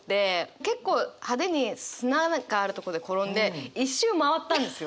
結構派手に砂なんかあるところで転んで一周回ったんですよ。